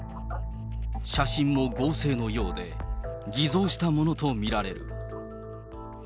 写真も合成のようで、偽造したものと見られる。